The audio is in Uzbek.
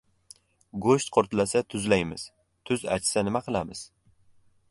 • Go‘sht qurtlasa tuzlaymiz, tuz achisa nima qilamiz?